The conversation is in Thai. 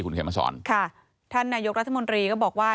คุณเขมสอนค่ะท่านนายกรัฐมนตรีก็บอกว่า